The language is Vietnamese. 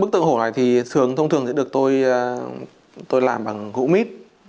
bức tượng hổ này thì thông thường sẽ được tôi làm bằng gũ mít